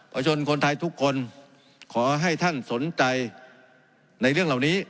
ชนคนไทยทุกคนขอให้ท่านสนใจในเรื่องเหล่านี้